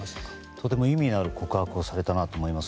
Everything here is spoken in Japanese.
とても意味のある告白をされたなと思います。